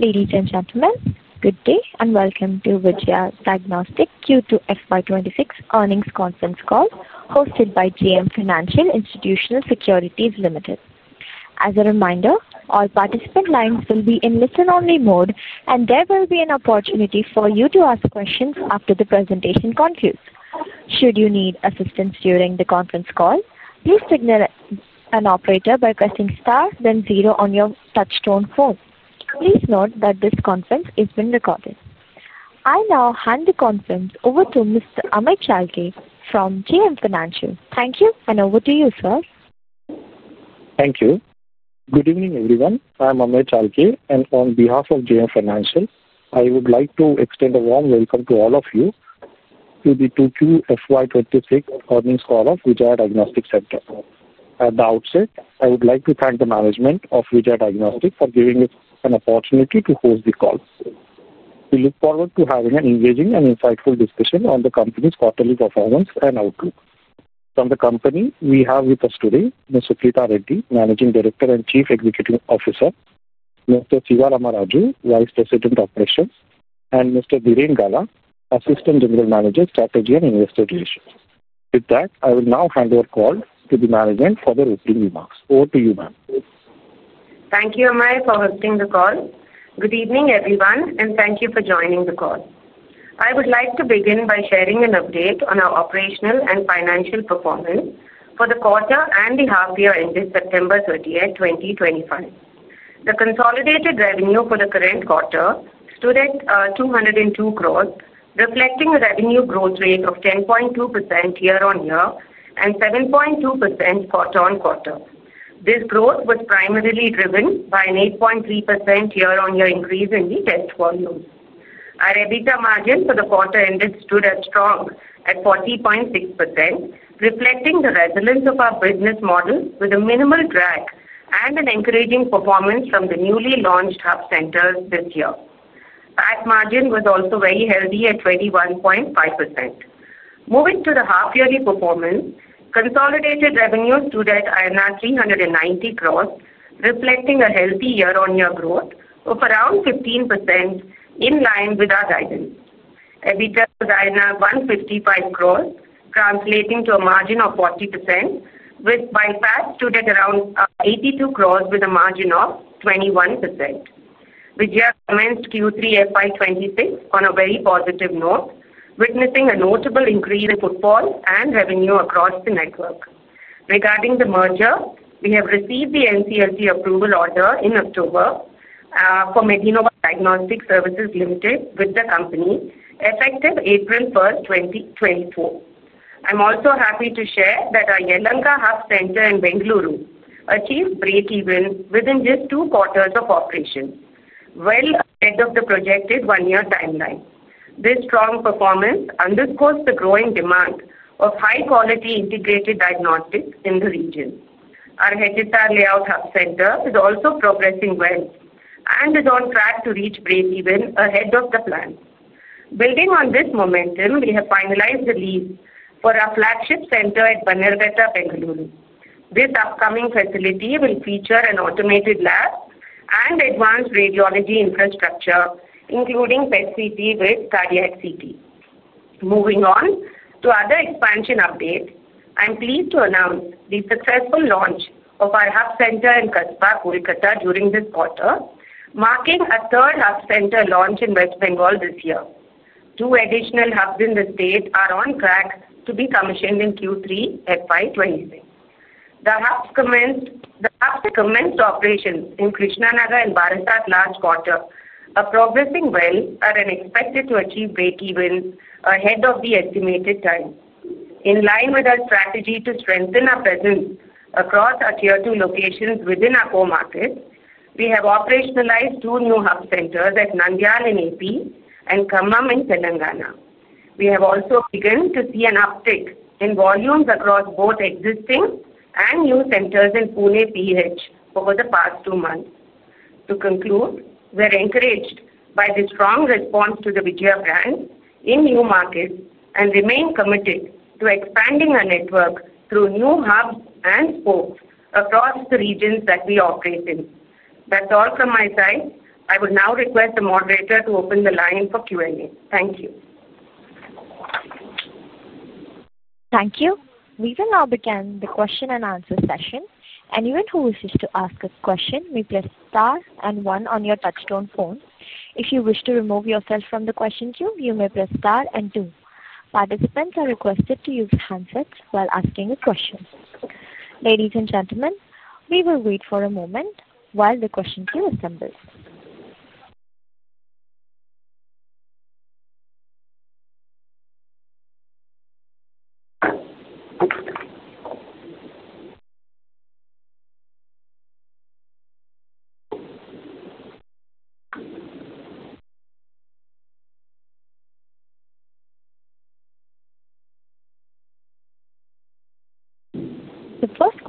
Ladies and gentlemen, good day and welcome to Vijaya Diagnostic Q2 FY26 earnings conference call hosted by JM Financial Institutional Securities Limited. As a reminder, all participant lines will be in listen-only mode, and there will be an opportunity for you to ask questions after the presentation concludes. Should you need assistance during the conference call, please signal an operator by pressing * then 0 on your touch-tone phone. Please note that this conference is being recorded. I now hand the conference over to Mr. Amey Chalke from JM Financial. Thank you, and over to you, sir. Thank you. Good evening, everyone. I'm Amey Chalke, and on behalf of JM Financial, I would like to extend a warm welcome to all of you to the Q2 FY26 earnings call of Vijaya Diagnostic Centre. At the outset, I would like to thank the management of Vijaya Diagnostic for giving us an opportunity to host the call. We look forward to having an engaging and insightful discussion on the company's quarterly performance and outlook. From the company, we have with us today Dr. Prita Reddy, Managing Director and Chief Executive Officer, Mr. Sivaramaraju Vegesna, Vice President of Operations, and Mr. Dhiren Gala, Assistant General Manager, Strategy and Investor Relations. With that, I will now hand over the call to the management for their opening remarks. Over to you, ma'am. Thank you, Amit, for hosting the call. Good evening, everyone, and thank you for joining the call. I would like to begin by sharing an update on our operational and financial performance for the quarter and the half-year ended September 30, 2025. The consolidated revenue for the current quarter stood at 202 crore, reflecting a revenue growth rate of 10.2% year-on-year and 7.2% quarter-on-quarter. This growth was primarily driven by an 8.3% year-on-year increase in the test volume. Our EBITDA margin for the quarter ended stood strong at 40.6%, reflecting the resonance of our business model with a minimal drag and an encouraging performance from the newly launched hub centres this year. PAT margin was also very healthy at 21.5%. Moving to the half-yearly performance, consolidated revenue stood at 390 crore, reflecting a healthy year-on-year growth of around 15% in line with our guidance. EBITDA was INR 155 crore, translating to a margin of 40%, with PAT stood at around INR 82 crore, with a margin of 21%. Vijaya commenced Q3 FY26 on a very positive note, witnessing a notable increase in footfall and revenue across the network. Regarding the merger, we have received the NCLT approval order in October for Medinova Diagnostic Services Limited with the company, effective April 1, 2024. I'm also happy to share that our Yelahanka Hub Centre in Bengaluru achieved break-even within just two quarters of operation, well ahead of the projected one-year timeline. This strong performance underscores the growing demand of high-quality integrated diagnostics in the region. Our Hekatar Layout Hub Centre is also progressing well and is on track to reach break-even ahead of the plan. Building on this momentum, we have finalized the lease for our flagship centre at Banerghatta, Bengaluru. This upcoming facility will feature an automated lab and advanced radiology infrastructure, including PET/CT with Cardiac CT. Moving on to other expansion updates, I'm pleased to announce the successful launch of our hub centre in Kasba, Kolkata, during this quarter, marking a third hub centre launch in West Bengal this year. Two additional hubs in the state are on track to be commissioned in Q3 FY26. The hubs commenced operations in Krishnanagar and Barasat last quarter are progressing well and are expected to achieve break-even ahead of the estimated time. In line with our strategy to strengthen our presence across our tier two locations within our core market, we have operationalized two new hub centres at Nandyal in Andhra Pradesh and Khammam in Telangana. We have also begun to see an uptick in volumes across both existing and new centers in Pune over the past two months. To conclude, we are encouraged by the strong response to the Vijaya brand in new markets and remain committed to expanding our network through new hubs and spokes across the regions that we operate in. That's all from my side. I will now request the moderator to open the line for Q&A. Thank you. Thank you. We will now begin the question and answer session. Anyone who wishes to ask a question may press * and 1 on your touch-tone phone. If you wish to remove yourself from the question queue, you may press * and 2. Participants are requested to use handsets while asking a question. Ladies and gentlemen, we will wait for a moment while the question queue assembles. The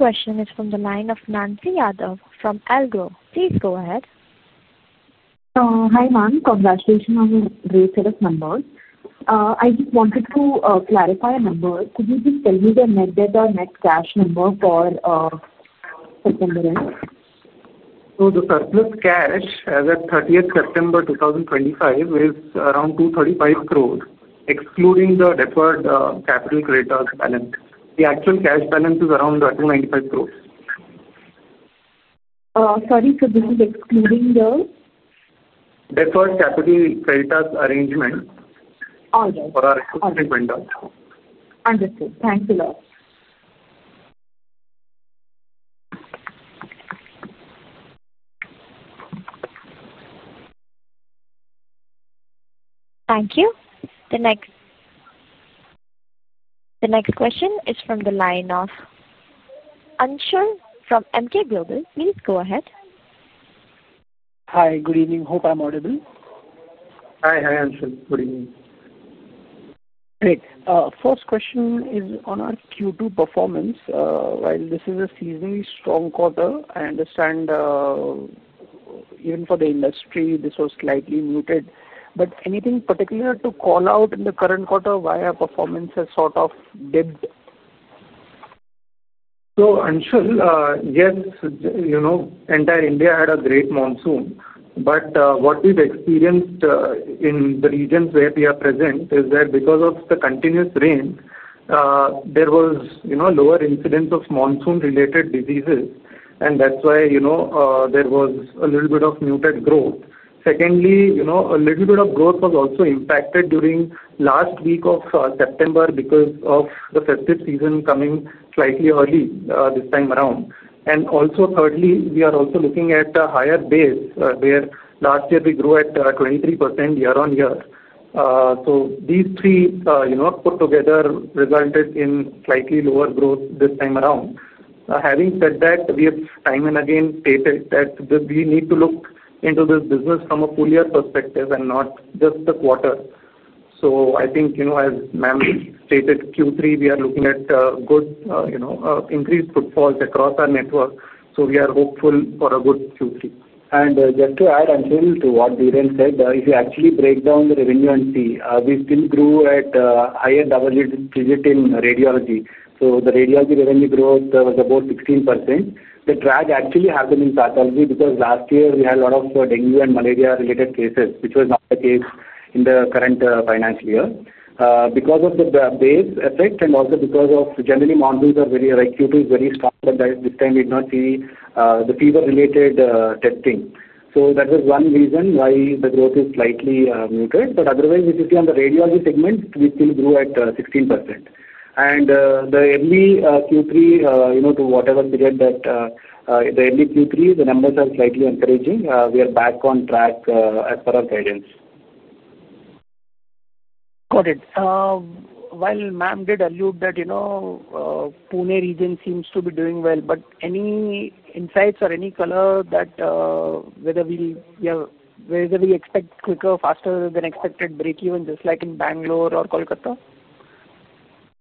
first question is from the line of Nancy Yadav from Allegro. Please go ahead. Hi, ma'am. Congratulations on the resale of numbers. I just wanted to clarify a number. Could you please tell me the net debt or net cash number for September end? The surplus cash as of 30th September 2025 is around 235 crore, excluding the deferred capital creditors' balance. The actual cash balance is around rupees 295 crore. Sorry, sir, this is excluding the? Deferred capital creditors' arrangement. All right. For our existing vendors. Understood. Thank you a lot. Thank you. The next question is from the line of Anshul from Emkay Global. Please go ahead. Hi, good evening. Hope I'm audible. Hi, hi, Anshul. Good evening. Great. First question is on our Q2 performance. While this is a seasonally strong quarter, I understand. Even for the industry, this was slightly muted. Is there anything particular to call out in the current quarter why our performance has sort of dipped? Anshul, yes, entire India had a great monsoon. What we've experienced in the regions where we are present is that because of the continuous rain, there was lower incidence of monsoon-related diseases. That is why there was a little bit of muted growth. Secondly, a little bit of growth was also impacted during last week of September because of the festive season coming slightly early this time around. Also, thirdly, we are also looking at a higher base where last year we grew at 23% year-on-year. These three put together resulted in slightly lower growth this time around. Having said that, we have time and again stated that we need to look into this business from a full-year perspective and not just the quarter. I think, as ma'am stated, Q3, we are looking at good, increased footfalls across our network. We are hopeful for a good Q3. Just to add, Anshul, to what Dhiren said, if you actually break down the revenue and see, we still grew at higher double-digit in radiology. The radiology revenue growth was about 16%. The drag actually happened in pathology because last year we had a lot of dengue and malaria-related cases, which was not the case in the current financial year. Because of the base effect and also because generally monsoons are very, Q2 is very strong, but this time we did not see the fever-related testing. That was one reason why the growth is slightly muted. Otherwise, if you see on the radiology segment, we still grew at 16%. The early Q3, to whatever period that, the early Q3, the numbers are slightly encouraging. We are back on track as per our guidance. Got it. While ma'am did allude to that, Pune region seems to be doing well, but any insights or any color on whether we expect quicker, faster than expected break-even, just like in Bengaluru or Kolkata?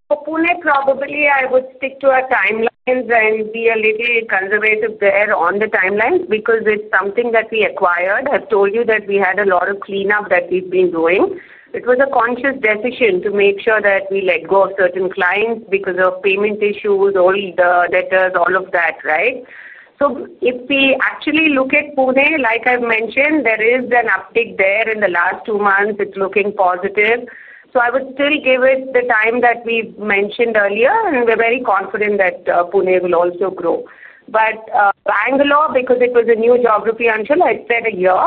For Pune, probably I would stick to our timelines and be a little conservative there on the timelines because it's something that we acquired. I have told you that we had a lot of cleanup that we've been doing. It was a conscious decision to make sure that we let go of certain clients because of payment issues, old debtors, all of that, right? If we actually look at Pune, like I've mentioned, there is an uptick there in the last two months. It's looking positive. I would still give it the time that we mentioned earlier, and we're very confident that Pune will also grow. Bangalore, because it was a new geography, Anshul, I said a year,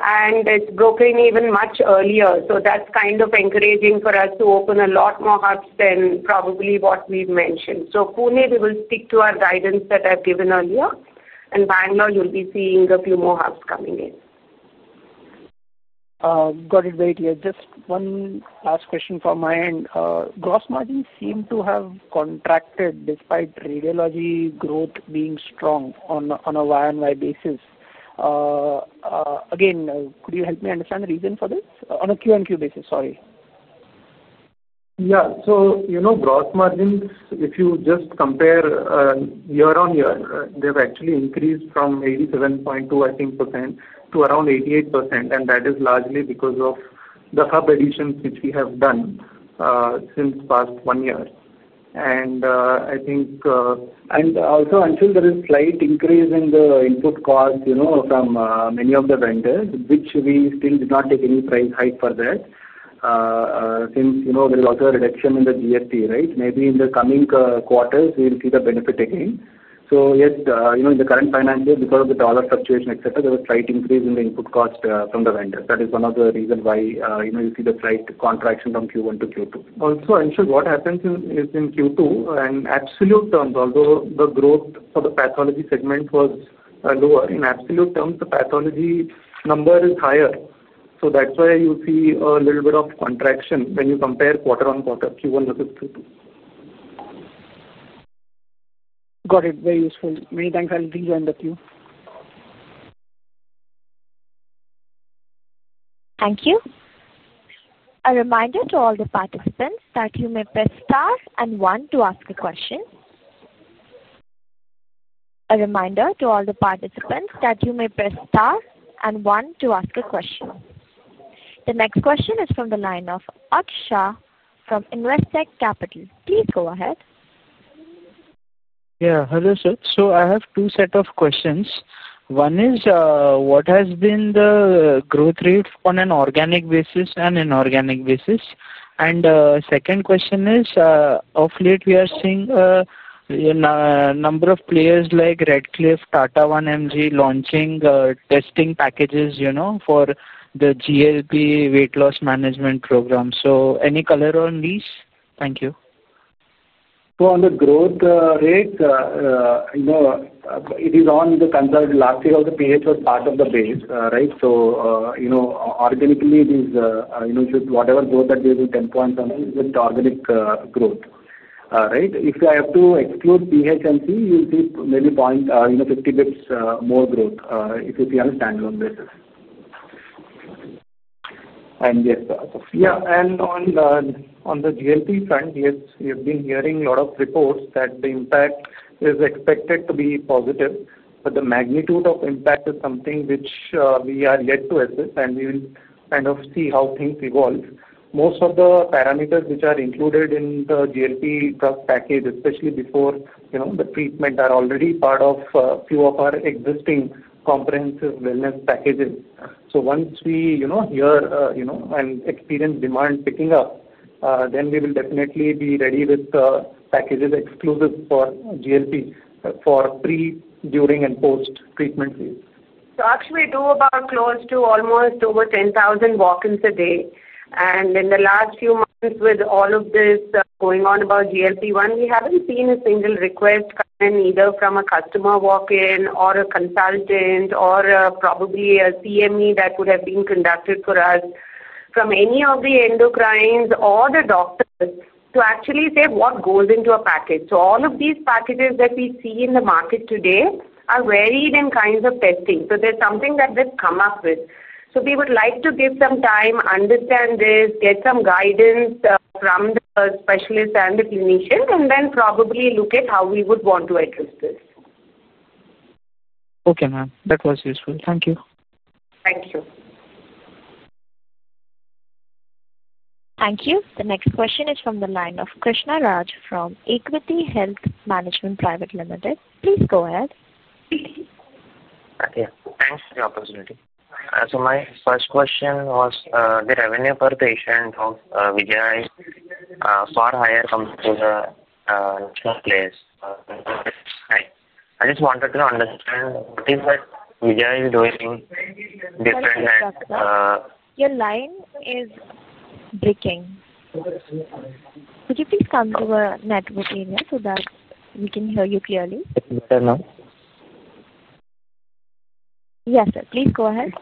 and it's broken even much earlier. That's kind of encouraging for us to open a lot more hubs than probably what we've mentioned. Pune, we will stick to our guidance that I've given earlier. Bangalore, you'll be seeing a few more hubs coming in. Got it, very clear. Just one last question from my end. Gross margins seem to have contracted despite radiology growth being strong on a YoY basis. Again, could you help me understand the reason for this? On a QoQ basis, sorry. Yeah. So gross margins, if you just compare year-on-year, they've actually increased from 87.2% to around 88%. That is largely because of the hub additions which we have done since past one year. I think, also, Anshul, there is slight increase in the input cost from many of the vendors, which we still did not take any price hike for that. Since there is also a reduction in the GST, right? Maybe in the coming quarters, we'll see the benefit again. Yes, in the current financials, because of the dollar fluctuation, etc., there was a slight increase in the input cost from the vendors. That is one of the reasons why you see the slight contraction from Q1 to Q2. Also, Anshul, what happens is in Q2, in absolute terms, although the growth for the pathology segment was lower, in absolute terms, the pathology number is higher. That's why you see a little bit of contraction when you compare quarter-on-quarter, Q1 versus Q2. Got it. Very useful. Many thanks. I'll leave you on the queue. Thank you. A reminder to all the participants that you may press * and 1 to ask a question. The next question is from the line of Aksha from Investech Capital. Please go ahead. Yeah. Hello, sir. I have two sets of questions. One is, what has been the growth rate on an organic basis and inorganic basis? Second question is, of late, we are seeing a number of players like Redcliffe, Tata 1MG launching testing packages for the GLP-1 weight loss management program. Any color on these? Thank you. On the growth rate, it is on the concern last year of the PH was part of the base, right? Organically, it is whatever growth that they do, 10 points on it with the organic growth, right? If I have to exclude PH and C, you'll see maybe 0.50 basis points more growth if you see on a standalone basis. Yes. On the GLP front, yes, we have been hearing a lot of reports that the impact is expected to be positive. The magnitude of impact is something which we are yet to assess, and we will kind of see how things evolve. Most of the parameters which are included in the GLP drug package, especially before the treatment, are already part of a few of our existing comprehensive wellness packages. Once we hear and experience demand picking up, then we will definitely be ready with packages exclusive for GLP for pre, during, and post-treatment phase. Actually, we do about close to almost over 10,000 walk-ins a day. In the last few months, with all of this going on about GLP-1, we have not seen a single request come in either from a customer walk-in or a consultant or probably a CME that would have been conducted for us from any of the endocrines or the doctors to actually say what goes into a package. All of these packages that we see in the market today are varied in kinds of testing. There is something that they have come up with. We would like to give some time, understand this, get some guidance from the specialists and the clinician, and then probably look at how we would want to address this. Okay, ma'am. That was useful. Thank you. Thank you. Thank you. The next question is from the line of Krishna Raj from Equity Health Management Private Limited. Please go ahead. Okay. Thanks for the opportunity. My first question was the revenue per patient of Vijaya. Far higher compared to the players. Hi. I just wanted to understand what is it Vijaya is doing different than. Your line is breaking. Could you please come to a network area so that we can hear you clearly? It's better now. Yes, sir. Please go ahead.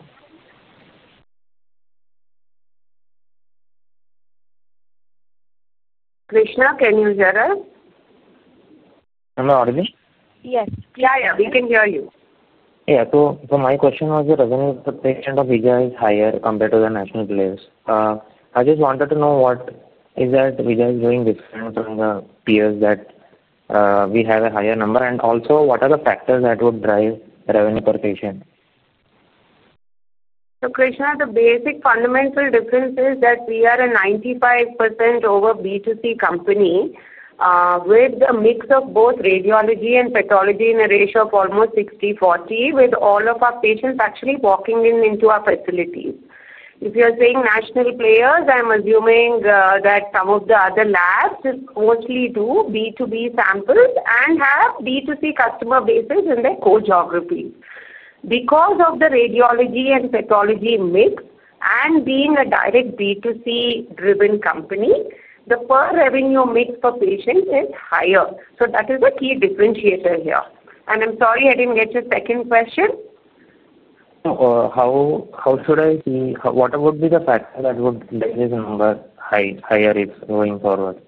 Krishna, can you hear us? Hello? Are you there? Yes. Yeah, yeah. We can hear you. Yeah. So my question was the revenue per patient of Vijaya is higher compared to the national players. I just wanted to know what is it Vijaya is doing different from the peers that we have a higher number? Also, what are the factors that would drive revenue per patient? Krishna, the basic fundamental difference is that we are a 95% B2C company, with the mix of both radiology and pathology in a ratio of almost 60-40, with all of our patients actually walking into our facilities. If you're saying national players, I'm assuming that some of the other labs mostly do B2B samples and have B2C customer bases in their core geographies. Because of the radiology and pathology mix and being a direct B2C-driven company, the per-revenue mix per patient is higher. That is a key differentiator here. I'm sorry, I didn't get your second question. How should I see what would be the factor that would make this number higher going forward?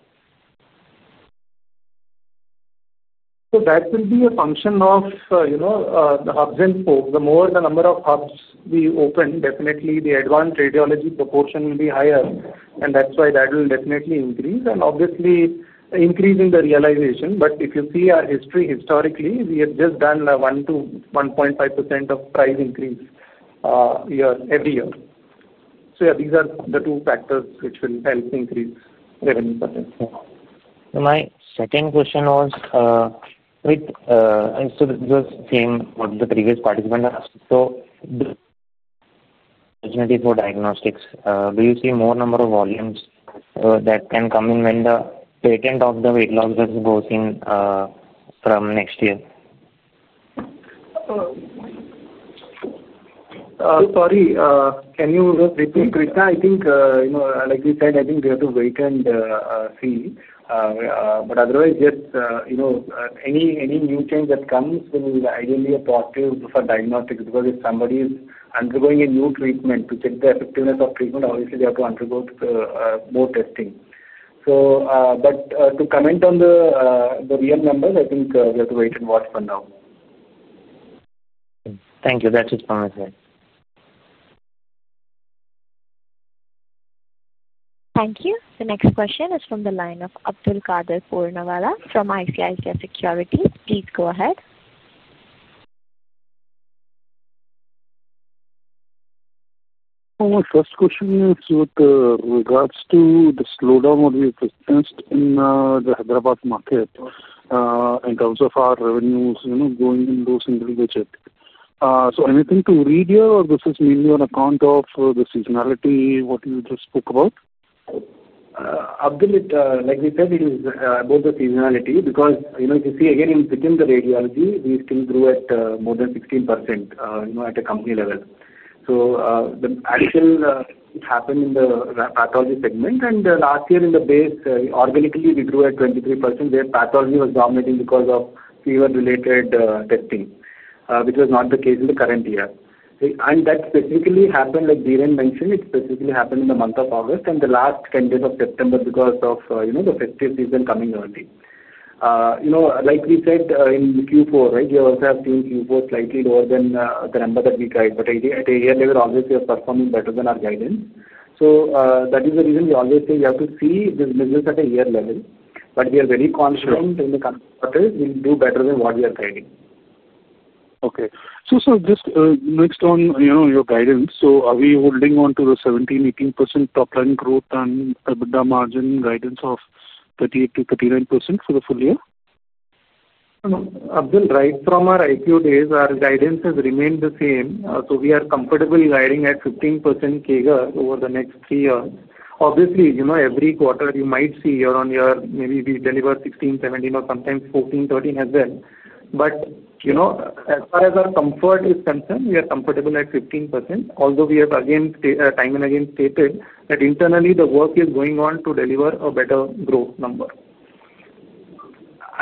That will be a function of the hubs and spokes. The more the number of hubs we open, definitely the advanced radiology proportion will be higher. That will definitely increase, and obviously, increase in the realization. If you see our history, historically, we have just done 1.5% of price increase every year. These are the two factors which will help increase revenue per patient. My second question was, with just seeing what the previous participant asked. Definitely for diagnostics, do you see more number of volumes that can come in when the patent of the weight loss goes in from next year? Sorry, can you repeat? Krishna, I think, like you said, I think we have to wait and see. Otherwise, yes. Any new change that comes will ideally be a positive for diagnostics because if somebody is undergoing a new treatment to check the effectiveness of treatment, obviously, they have to undergo more testing. To comment on the real numbers, I think we have to wait and watch for now. Thank you. That is fine. Thank you. The next question is from the line of Abdulkader Puranwala from ICICI Securities. Please go ahead. My first question is with regards to the slowdown that we've witnessed in the Hyderabad market. In terms of our revenues going into single digit. So anything to read here, or this is mainly on account of the seasonality, what you just spoke about? Abdul, like we said, it is about the seasonality because if you see, again, within the radiology, we still grew at more than 16% at a company level. So the actual happened in the pathology segment. And last year in the base, organically, we grew at 23% where pathology was dominating because of fever-related testing, which was not the case in the current year. And that specifically happened, like Dhiren mentioned, it specifically happened in the month of August and the last 10 days of September because of the festive season coming early. Like we said in Q4, right? You also have seen Q4 slightly lower than the number that we tried. At a year level, obviously, we are performing better than our guidance. That is the reason we always say we have to see this business at a year level. We are very confident in the coming quarters. We'll do better than what we are guiding. Okay. So sir, just next on your guidance, are we holding on to the 17%-18% top-line growth and EBITDA margin guidance of 38%-39% for the full year? Abdul, right from our IQ days, our guidance has remained the same. We are comfortable guiding at 15% CAGR over the next three years. Obviously, every quarter, you might see here or there maybe we deliver 16, 17, or sometimes 14, 13 as well. As far as our comfort is concerned, we are comfortable at 15%. Although we have again time and again stated that internally, the work is going on to deliver a better growth number.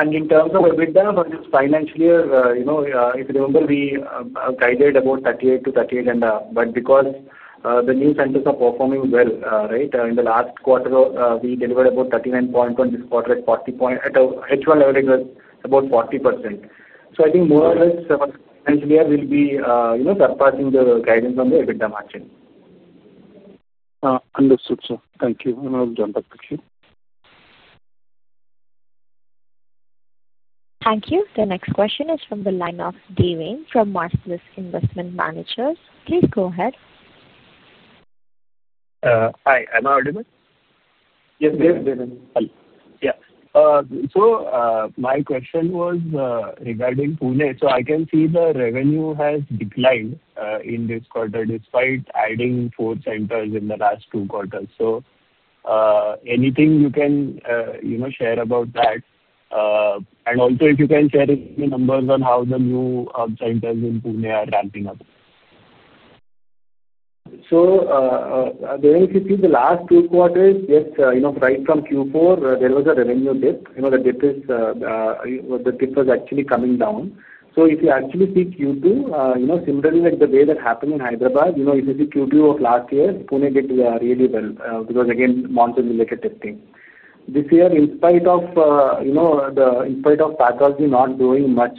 In terms of EBITDA, financially, if you remember, we guided about 38%-38% and up. Because the new centers are performing well, in the last quarter, we delivered about 39.1%. This quarter, at H1 level, it was about 40%. I think more or less, financially, we will be surpassing the guidance on the EBITDA margin. Understood, sir. Thank you. I'll jump back to you. Thank you. The next question is from the line of Deven from Marcellus Investment Managers. Please go ahead. Hi. Am I audible? Yes, Devin. Yeah. My question was regarding Pune. I can see the revenue has declined in this quarter despite adding four centers in the last two quarters. Anything you can share about that? Also, if you can share any numbers on how the new hub centers in Pune are ramping up. Devin, if you see the last two quarters, yes, right from Q4, there was a revenue dip. The dip was actually coming down. If you actually see Q2, similarly, like the way that happened in Hyderabad, if you see Q2 of last year, Pune did really well because, again, monthly-related testing. This year, in spite of pathology not doing much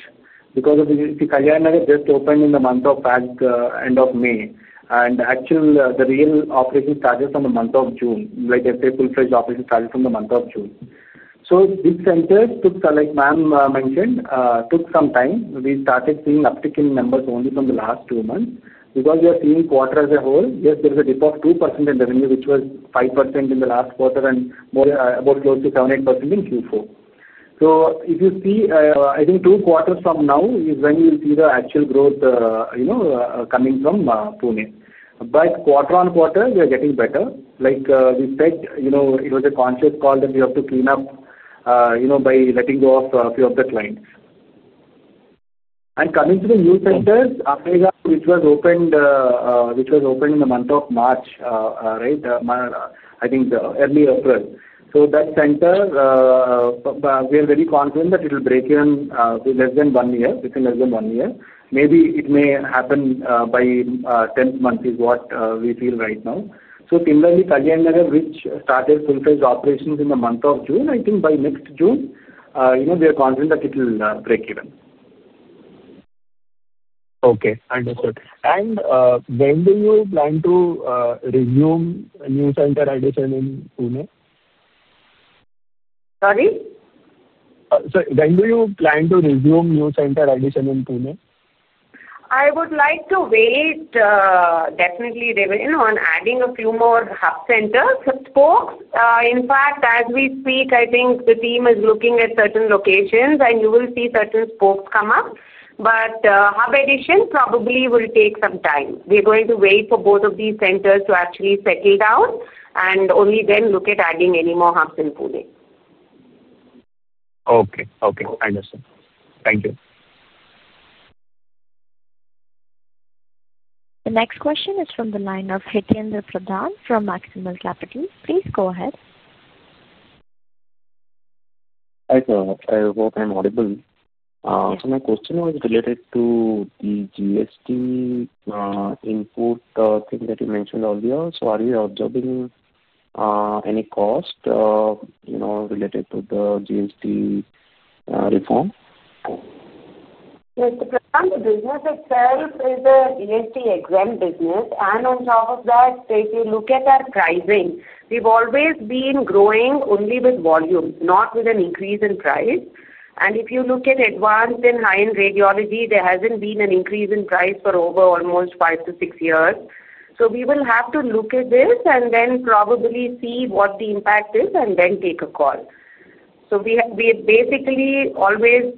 because Kajayanagar just opened in the end of May, and the actual real operation started from the month of June, like full-fledged operation started from the month of June. These centers took, like ma'am mentioned, some time. We started seeing uptick in numbers only from the last two months because we are seeing quarter as a whole. Yes, there was a dip of 2% in revenue, which was 5% in the last quarter and about close to 7%-8% in Q4. I think two quarters from now is when you'll see the actual growth coming from Pune. Quarter on quarter, we are getting better. Like we said, it was a conscious call that we have to clean up by letting go of a few of the clients. Coming to the new centers, Afega, which was opened in the month of March, right? I think early April. That center, we are very confident that it will break even within less than one year. Maybe it may happen by the 10th month is what we feel right now. Similarly, Kajayanagar, which started full-fledged operations in the month of June, I think by next June, we are confident that it will break even. Okay. Understood. When do you plan to resume new center addition in Pune? Sorry? Sorry. When do you plan to resume new center addition in Pune? I would like to wait. Definitely, on adding a few more hub centers. Spokes. In fact, as we speak, I think the team is looking at certain locations, and you will see certain spokes come up. Hub addition probably will take some time. We are going to wait for both of these centers to actually settle down and only then look at adding any more hubs in Pune. Okay. Okay. Understood. Thank you. The next question is from the line of Hitaindra Pradhan from Maximal Capital. Please go ahead. Hi, sir. I hope I'm audible. My question was related to the GST input thing that you mentioned earlier. Are you observing any cost related to the GST reform? Yes. The business itself is a GST-exempt business. On top of that, if you look at our pricing, we've always been growing only with volume, not with an increase in price. If you look at advanced and high-end radiology, there hasn't been an increase in price for almost five to six years. We will have to look at this and then probably see what the impact is and then take a call. We are basically always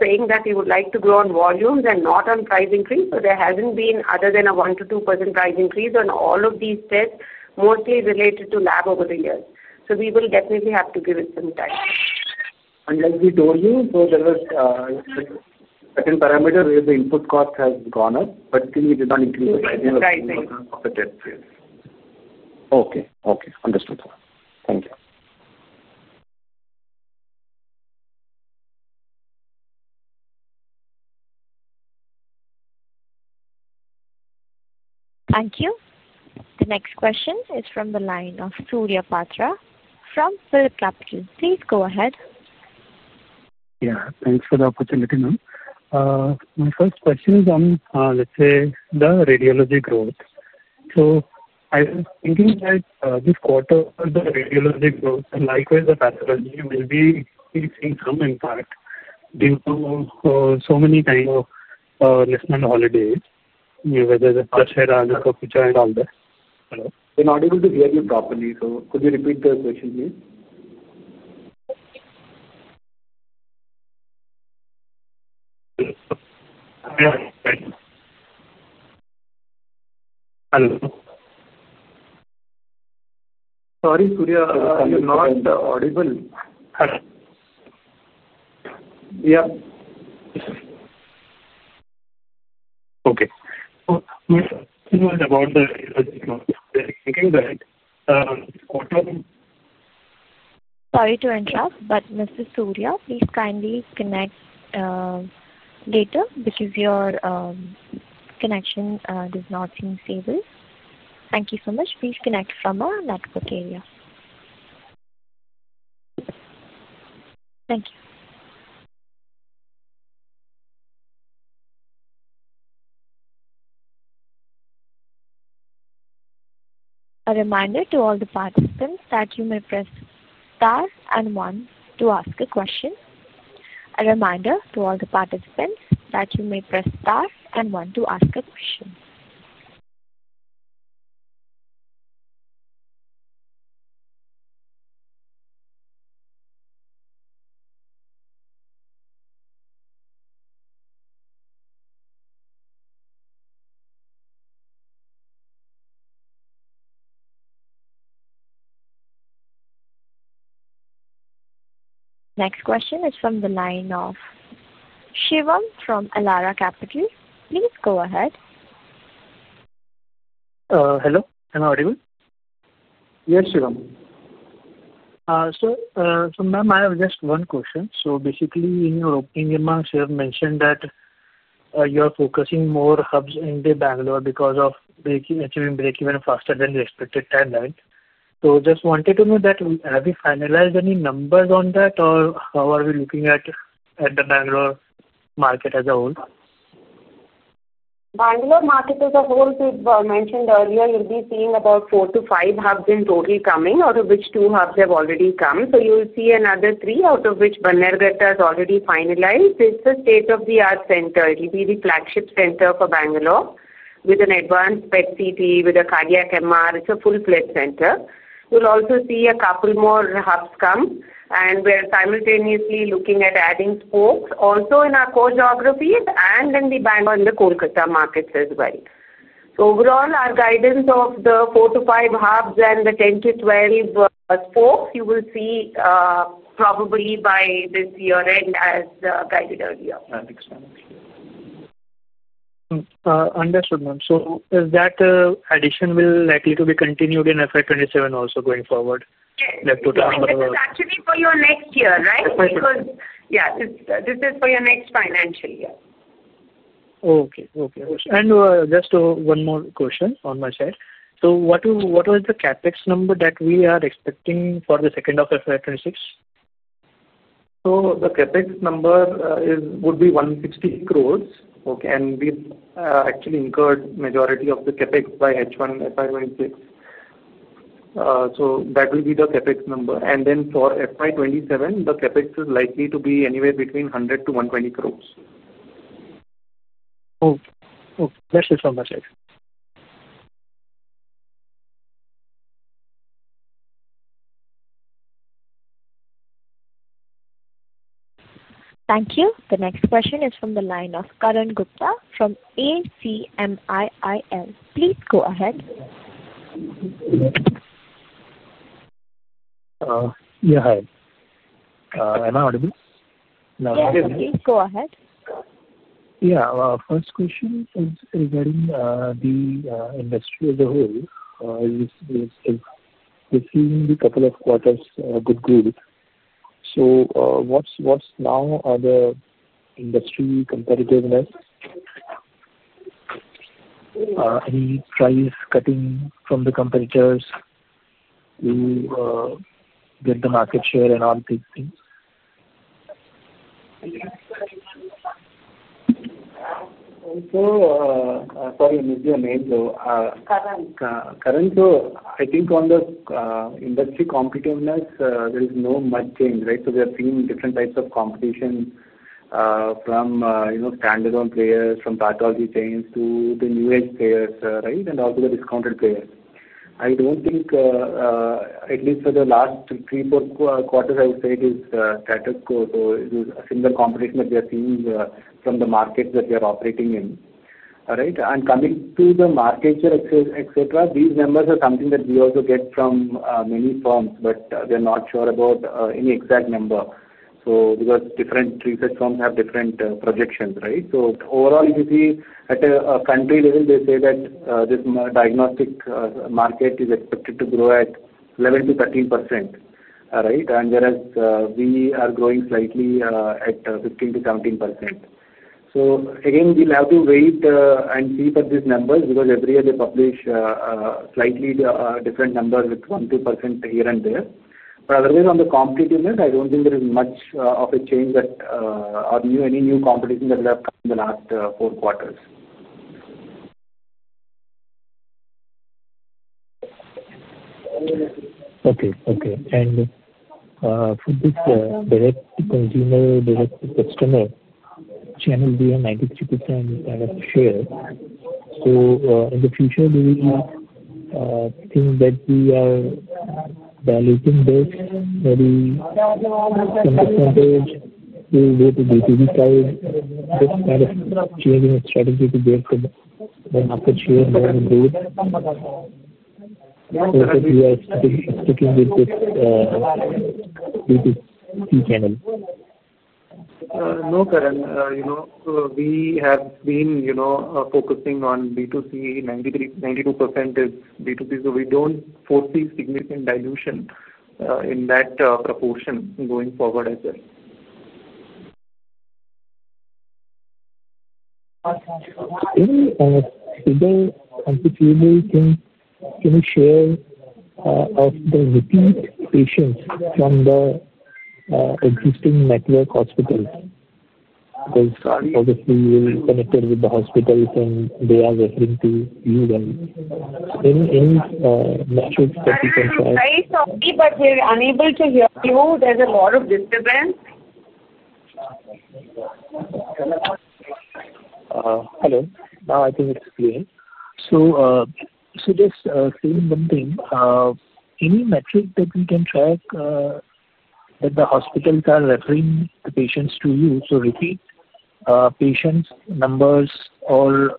saying that we would like to grow on volumes and not on price increase. There hasn't been other than a 1%-2% price increase on all of these tests, mostly related to lab over the years. We will definitely have to give it some time. Unless we told you. There was a certain parameter where the input cost has gone up, but still, we did not increase the pricing of the test. Okay. Okay. Understood. Thank you. Thank you. The next question is from the line of Surya Patra from PhillipCapital. Please go ahead. Yeah. Thanks for the opportunity. My first question is on, let's say, the radiology growth. So, I think that this quarter, the radiology growth, and likewise, the pathology will be seeing some impact due to so many kinds of national holidays, whether it's Aashwara, Anupavucha, and all that. We're not able to hear you properly. Could you repeat the question, please? Hello. Sorry, Surya. I'm not audible. Yeah. Okay. So yes, about the radiology. Thinking that. Out of. Sorry to interrupt, but Mr. Surya, please kindly connect later because your connection does not seem stable. Thank you so much. Please connect from a network area. Thank you. A reminder to all the participants that you may press * and 1 to ask a question. A reminder to all the participants that you may press * and 1 to ask a question. Next question is from the line of Shivam from Elara Capital. Please go ahead. Hello. Am I audible? Yes, Shivam. Sir, ma'am, I have just one question. Basically, in your opening remarks, you have mentioned that you are focusing more hubs in Bengaluru because of achieving break-even faster than the expected timeline. I just wanted to know, have you finalized any numbers on that, or how are we looking at the Bengaluru market as a whole? Bengaluru market as a whole, we've mentioned earlier, you'll be seeing about four to five hubs in total coming, out of which two hubs have already come. You'll see another three, out of which Banerghatta has already finalized. It's a state-of-the-art center. It'll be the flagship center for Bengaluru with an advanced PET/CT, with a cardiac MR. It's a full-fledged center. We'll also see a couple more hubs come, and we're simultaneously looking at adding spokes also in our core geographies and in the Kolkata markets as well. Overall, our guidance of the four to five hubs and the 10-12 spokes, you will see. Probably by this year-end as guided earlier. Understood, ma'am. Is that addition likely to be continued in FY27 also going forward? Yes. It's actually for your next year, right? Yeah. This is for your next financial year. Okay. Okay. Just one more question on my side. What was the CapEx number that we are expecting for the second half of FY26? The CapEx number would be 160 crore. We have actually incurred the majority of the CapEx by H1 FY26. That will be the CapEx number. For FY27, the CapEx is likely to be anywhere between 100-120 crore. Okay. Okay. That's it from my side. Thank you. The next question is from the line of Karan Gupta from ACMIIL. Please go ahead. Yeah. Hi. Am I audible? Yes. Please go ahead. Yeah. First question is regarding the industry as a whole. We've seen the couple of quarters good growth. What's now the industry competitiveness? Any price cutting from the competitors to get the market share and all these things? Sorry, I missed your name, though. Karan. Karan, so I think on the industry competitiveness, there is not much change, right? We are seeing different types of competition from standalone players, from pathology chains to the new-age players, right, and also the discounted players. I do not think, at least for the last three or four quarters, I would say it is status quo. It is a single competition that we are seeing from the markets that we are operating in, right? Coming to the market share, etc., these numbers are something that we also get from many firms, but we are not sure about any exact number because different research firms have different projections, right? Overall, if you see at a country level, they say that this diagnostic market is expected to grow at 11%-13%, right? Whereas we are growing slightly at 15%-17%. Again, we will have to wait and see for these numbers because every year they publish slightly different numbers with 1%-2% here and there. Otherwise, on the competitiveness, I do not think there is much of a change or any new competition that will have come in the last four quarters. Okay. Okay. For this direct-to-consumer, direct-to-customer channel, we have 93% kind of share. In the future, do we think that we are valuing this maybe from this one stage to go to B2B side, this kind of changing strategy to get the market share and growth? Or that we are sticking with this B2C channel? No, Karan. We have been focusing on B2C. 92% is B2C. We do not foresee significant dilution in that proportion going forward as well. Any other complicating things, can you share? Of the repeat patients from the existing network hospitals? Because obviously, you're connected with the hospitals, and they are referring to you then. Any metrics that you can track? Sorry, but we're unable to hear you. There's a lot of disturbance. Hello. Now I think it's clear. Just saying one thing. Any metric that we can track, that the hospitals are referring the patients to you? Repeat patients, numbers, or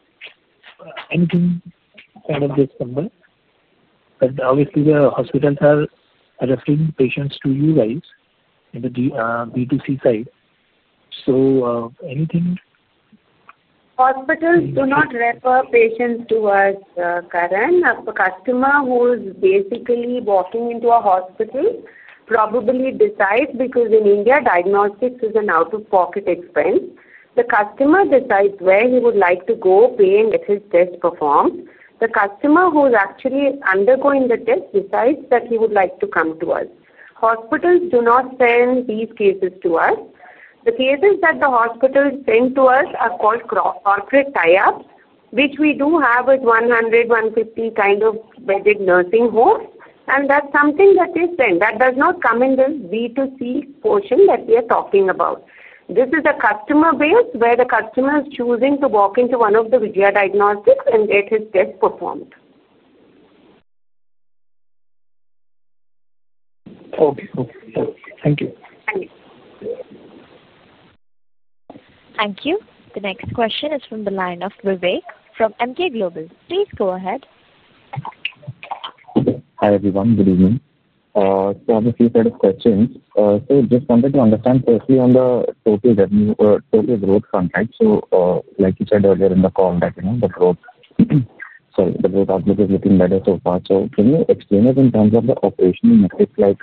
anything kind of this number? Obviously, the hospitals are referring patients to you guys in the B2C side. Anything? Hospitals do not refer patients to us, Karan. A customer who is basically walking into a hospital probably decides because in India, diagnostics is an out-of-pocket expense. The customer decides where he would like to go, pay, and get his test performed. The customer who is actually undergoing the test decides that he would like to come to us. Hospitals do not send these cases to us. The cases that the hospitals send to us are called corporate tie-ups, which we do have with 100-150 kind of bed nursing homes. That is something that they send. That does not come in the B2C portion that we are talking about. This is a customer base where the customer is choosing to walk into one of the Vijaya Diagnostic Centre locations and get his test performed. Okay. Okay. Thank you. Thank you. The next question is from the line of Vivek from Emkay Global. Please go ahead. Hi everyone. Good evening. Obviously, you've heard the questions. I just wanted to understand firstly on the total revenue or total growth front, right? Like you said earlier in the call that the growth outlook is looking better so far. Can you explain it in terms of the operational metrics? Like,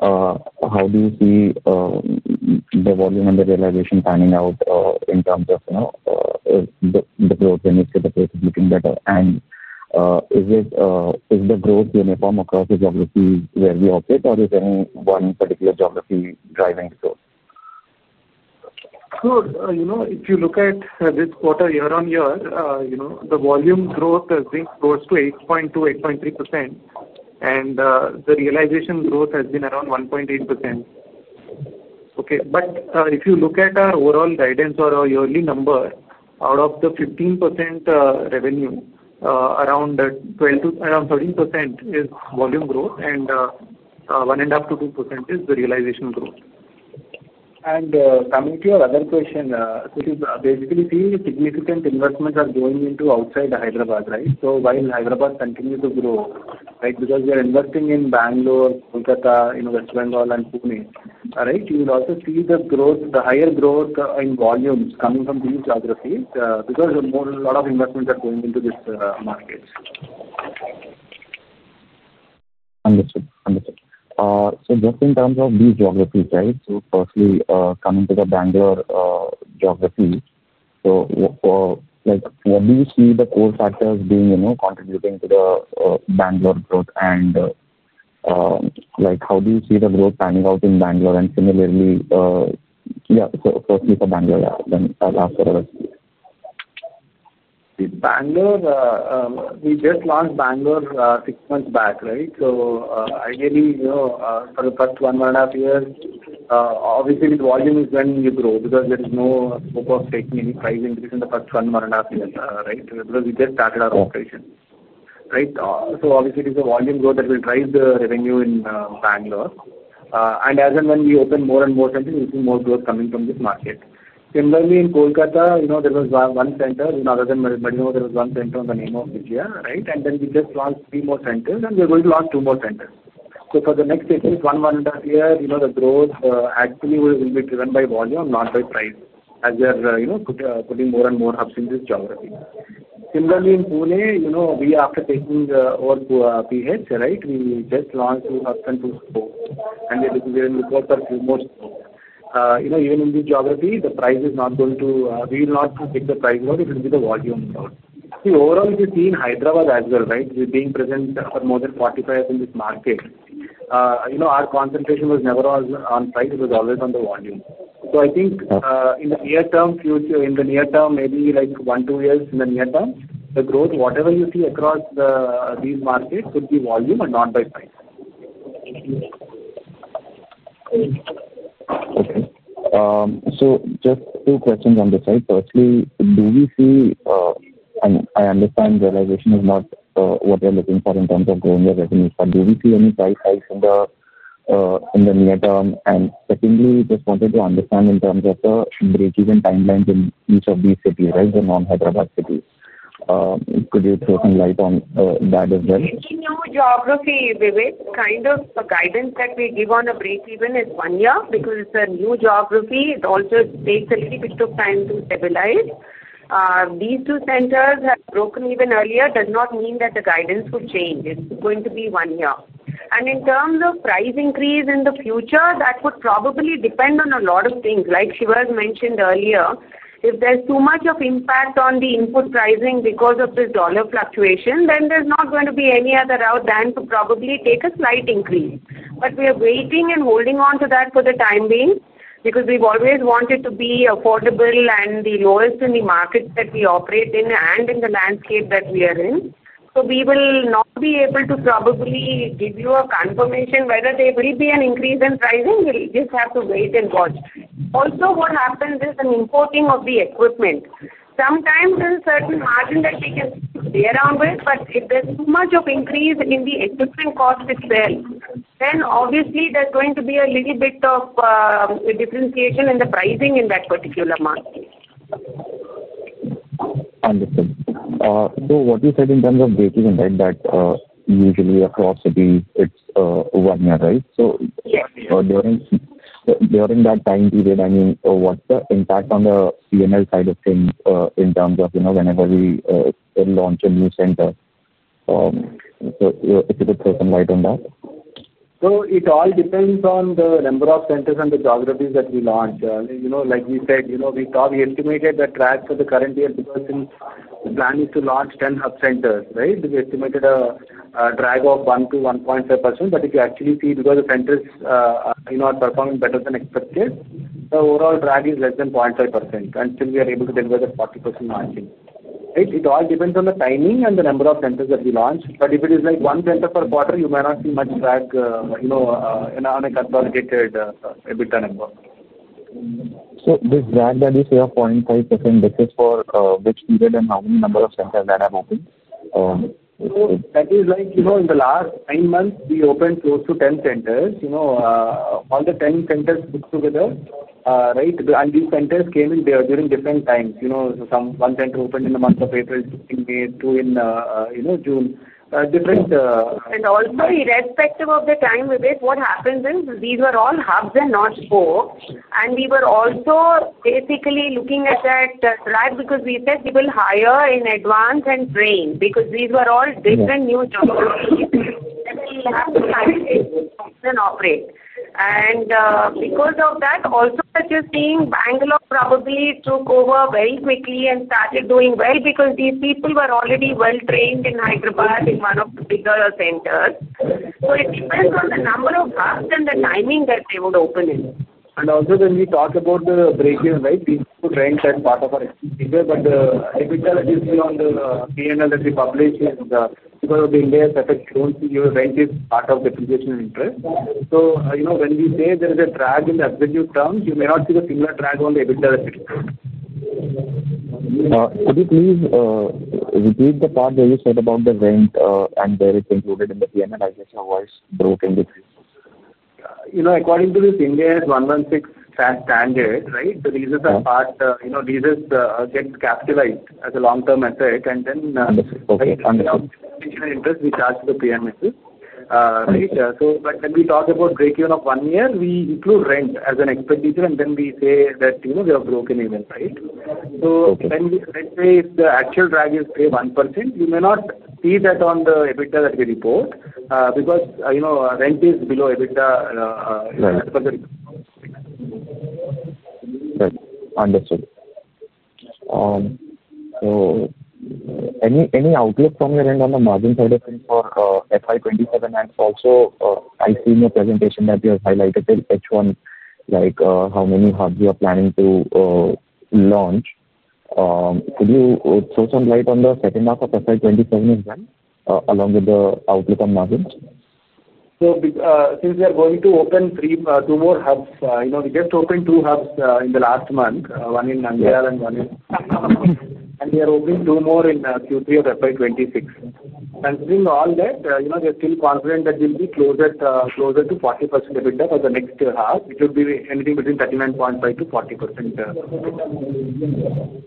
how do you see the volume and the realization panning out in terms of the growth when you say the growth is looking better? Is the growth uniform across the geographies where we operate, or is there any one particular geography driving growth? Sure. If you look at this quarter year-on-year, the volume growth, I think, goes to 8.2-8.3%. The realization growth has been around 1.8%. Okay. If you look at our overall guidance or our yearly number, out of the 15% revenue, around 13% is volume growth, and 1.5%-2% is the realization growth. Coming to your other question, basically, seeing significant investments are going into outside Hyderabad, right? While Hyderabad continues to grow, right, because we are investing in Bengaluru, Kolkata, West Bengal, and Pune, right, you will also see the growth, the higher growth in volumes coming from these geographies because a lot of investments are going into these markets. Understood. Understood. Just in terms of these geographies, right, firstly coming to the Bangalore geography, what do you see the core factors contributing to the Bangalore growth? How do you see the growth panning out in Bangalore? Similarly, firstly for Bangalore, then I'll ask for others. See, Bengaluru. We just launched Bengaluru six months back, right? Ideally, for the first one to one and a half years, obviously, this volume is when you grow because there is no scope of taking any price increase in the first one to one and a half years, right? Because we just started our operation, right? Obviously, it is a volume growth that will drive the revenue in Bengaluru. As and when we open more and more centers, we will see more growth coming from this market. Similarly, in Kolkata, there was one center. Other than Malinaur, there was one center in the name of Vijaya, right? Then we just launched three more centers, and we are going to launch two more centers. For the next 18 months to one and a half years, the growth actually will be driven by volume, not by price, as we are putting more and more hubs in this geography. Similarly, in Pune, after taking over PH, right? We just launched two hubs and two spokes. We are looking for a few more spokes. Even in this geography, the price is not going to—we will not take the price out. It will be the volume out. See, overall, if you see in Hyderabad as well, right, we have been present for more than 45 years in this market. Our concentration was never on price. It was always on the volume. I think in the near term, in the near term, maybe like one to two years in the near term, the growth, whatever you see across these markets, could be volume and not by price. Okay. So just two questions on this side. Firstly, do we see—I understand realization is not what we are looking for in terms of growing the revenue, but do we see any price hikes in the near term? Secondly, just wanted to understand in terms of the break-even timelines in each of these cities, right, the non-Hyderabad cities. Could you throw some light on that as well? In the new geography, Vivek, kind of the guidance that we give on a break-even is one year because it's a new geography. It also takes a little bit of time to stabilize. These two centers have broken even earlier does not mean that the guidance will change. It's going to be one year. In terms of price increase in the future, that would probably depend on a lot of things. Like Sivar mentioned earlier, if there's too much of impact on the input pricing because of this dollar fluctuation, then there's not going to be any other route than to probably take a slight increase. We are waiting and holding on to that for the time being because we've always wanted to be affordable and the lowest in the market that we operate in and in the landscape that we are in. We will not be able to probably give you a confirmation whether there will be an increase in pricing. We'll just have to wait and watch. Also, what happens is an importing of the equipment. Sometimes there's a certain margin that we can play around with, but if there's too much of increase in the equipment cost itself, then obviously there's going to be a little bit of differentiation in the pricing in that particular market. Understood. So what you said in terms of break-even, right, that usually across cities, it's one year, right? During that time period, I mean, what's the impact on the CML side of things in terms of whenever we launch a new center? If you could throw some light on that. It all depends on the number of centers and the geographies that we launch. Like we said, we estimated the drag for the current year because the plan is to launch 10 hub centers, right? We estimated a drag of 1%-1.5%. If you actually see because the centers are performing better than expected, the overall drag is less than 0.5%. Still, we are able to deliver the 40% margin, right? It all depends on the timing and the number of centers that we launch. If it is like one center per quarter, you may not see much drag on a consolidated EBITDA number. This drag that you say of 0.5%, this is for which period and how many number of centers that have opened? That is like in the last nine months, we opened close to 10 centers. All the 10 centers put together, right? These centers came in during different times. One center opened in the month of April, two in May, two in June. Different. Also, irrespective of the time, Vivek, what happens is these were all hubs and not stores. We were also basically looking at that drag because we said we will hire in advance and train because these were all different new geographies that we have to manage and operate. Because of that, also that you are seeing, Bengaluru probably took over very quickly and started doing well because these people were already well-trained in Hyderabad in one of the bigger centers. It depends on the number of hubs and the timing that they would open in. Also, when we talk about the break-even, right, we could rent that part of our expenditure. EBITDA that you see on the P&L that we publish is because of India's effective loan, rent is part of the depreciation interest. When we say there is a drag in the executive terms, you may not see the similar drag on the EBITDA that we described. Could you please repeat the part where you said about the rent and where it's included in the P&L? I guess your voice broke a little bit. According to this India's 116 standard, right, the leases are part leases get capitalized as a long-term asset, and then we now have the expenditure interest we charge to the PMSs, right? When we talk about break-even of one year, we include rent as an expenditure, and then we say that we have a broken even, right? Let's say if the actual drag is, say, 1%, you may not see that on the EBITDA that we report because rent is below EBITDA. Understood. Any outlook from your end on the margin side of things for FY27? Also, I see in your presentation that you have highlighted H1, like how many hubs you are planning to launch. Could you throw some light on the second half of FY27 as well, along with the outlook on margins? Since we are going to open two more hubs, we just opened two hubs in the last month, one in Nandyal and one in. We are opening two more in Q3 of FY26. Considering all that, we are still confident that we'll be closer to 40% EBITDA for the next half, which would be anything between 39.5%-40% EBITDA.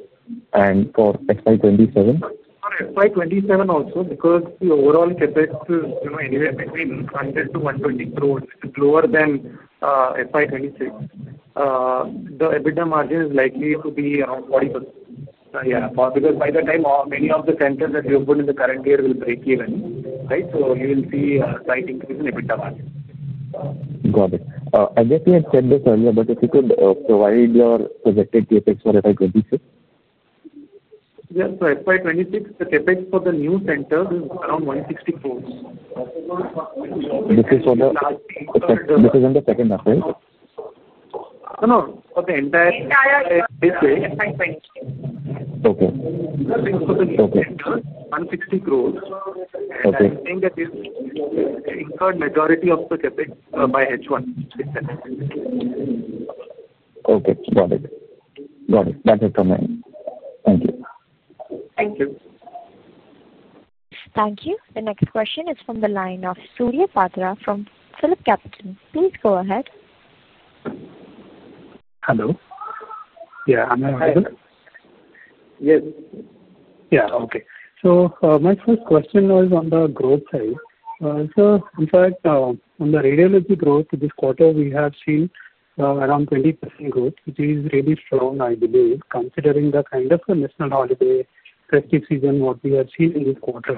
And for FY27? For FY27 also, because the overall CapEx is anywhere between INR 100 crore-INR 120 crore, which is lower than FY26. The EBITDA margin is likely to be around 40%. Yeah. Because by the time, many of the centers that we open in the current year will break even, right? You will see a slight increase in EBITDA margin. Got it. I guess we had said this earlier, but if you could provide your projected CapEx for FY26? Yes. For FY26, the CapEx for the new centers is around 1.60 crores. This is on the second half, right? No, no. For the entire. The entire. This year. Okay. For the new centers, INR 160 crore. I'm saying that we've incurred the majority of the CapEx by H1. Okay. Got it. Got it. That's it from my end. Thank you. Thank you. Thank you. The next question is from the line of Surya Patra from PhillipCapital. Please go ahead. Hello. Yeah. Am I audible? Yes. Yeah. Okay. My first question was on the growth side. In fact, on the radiology growth, this quarter, we have seen around 20% growth, which is really strong, I believe, considering the kind of national holiday festive season we have seen in this quarter.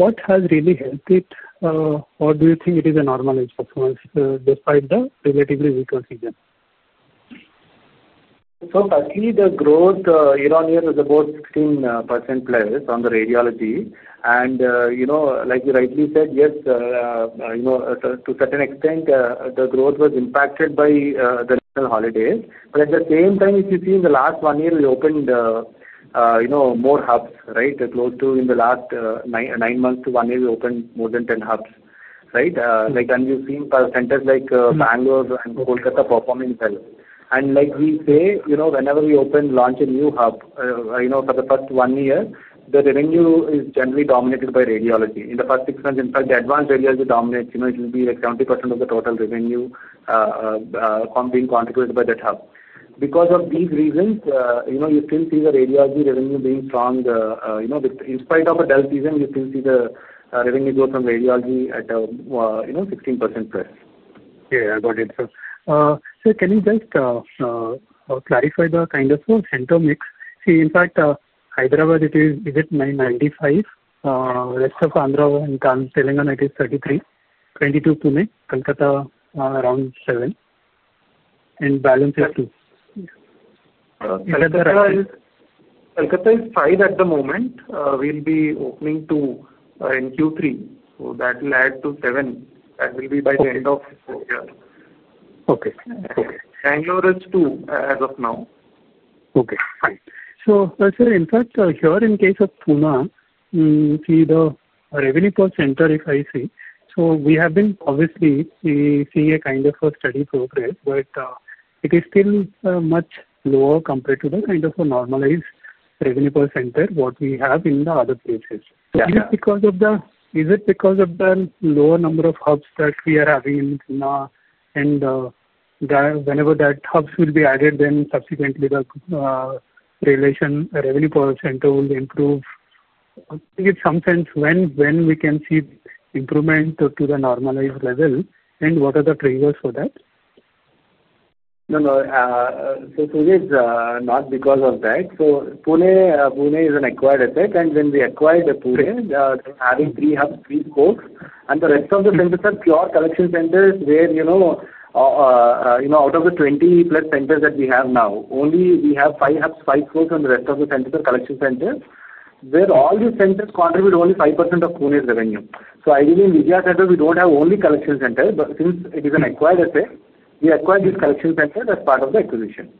What has really helped it? Or do you think it is a normal performance despite the relatively weaker season? Currently, the growth year-on-year is about 16% plus on the radiology. Like you rightly said, yes, to a certain extent, the growth was impacted by the national holidays. At the same time, if you see in the last one year, we opened more hubs, right? Close to in the last nine months to one year, we opened more than 10 hubs, right? We have seen centers like Bengaluru and Kolkata performing well. Like we say, whenever we open, launch a new hub for the first one year, the revenue is generally dominated by radiology. In the first six months, in fact, the advanced radiology dominates. It will be like 70% of the total revenue being contributed by that hub. Because of these reasons, you still see the radiology revenue being strong. In spite of a dull season, you still see the revenue growth from radiology at 16% plus. Yeah. I got it. Can you just clarify the kind of a center mix? See, in fact, Hyderabad, is it 95? Rest of Andhra and Telangana, it is 33. 22 Pune, Kolkata around 7. Balance is 2. Kolkata is five at the moment. We'll be opening two in Q3. That will add to seven. That will be by the end of year. Okay. Okay. Bengaluru is two as of now. Okay. Fine. In fact, here, in case of Pune, the revenue per center, if I see, we have been obviously seeing a kind of a steady progress, but it is still much lower compared to the kind of a normalized revenue per center that we have in the other places. Is it because of the lower number of hubs that we are having in Pune? Whenever those hubs will be added, then subsequently, the related revenue per center will improve. In some sense, when can we see improvement to the normalized level, and what are the triggers for that? No, no. It is not because of that. Pune is an acquired asset. When we acquired Pune, having three hubs, three spokes, and the rest of the centers are pure collection centers where, out of the 20-plus centers that we have now, only five are hubs, five are spokes, and the rest of the centers are collection centers where all these centers contribute only 5% of Pune's revenue. Ideally, in Vijaya Center, we do not have only collection centers, but since it is an acquired asset, we acquired these collection centers as part of the acquisition.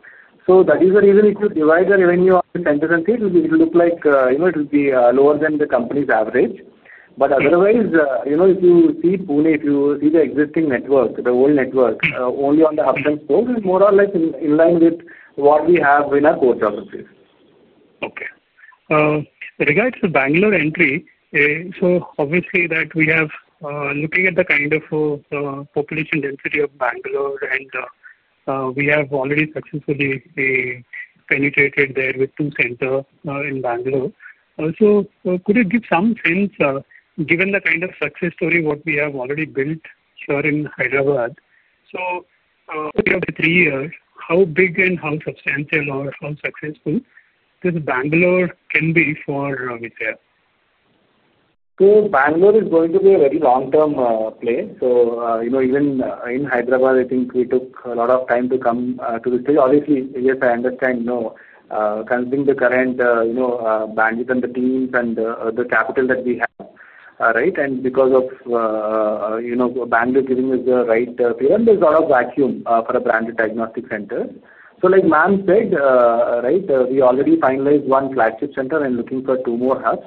That is the reason if you divide the revenue of the centers and things, it will look like it will be lower than the company's average. Otherwise, if you see Pune, if you see the existing network, the old network, only on the hubs and spokes, it is more or less in line with what we have in our core geographies. Okay. Regards to Bangalore entry, we have looking at the kind of population density of Bangalore, and we have already successfully penetrated there with two centers in Bangalore. Could you give some sense, given the kind of success story what we have already built here in Hyderabad, over the three years, how big and how substantial or how successful this Bangalore can be for Vijaya? Bangalore is going to be a very long-term play. Even in Hyderabad, I think we took a lot of time to come to this place. Obviously, yes, I understand, considering the current bandwidth and the teams and the capital that we have, right? Because of Bangalore giving us the right pillar, there is a lot of vacuum for a branded diagnostic center. Like Ma'am said, we already finalized one flagship center and are looking for two more hubs,